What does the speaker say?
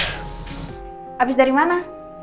habis dari mana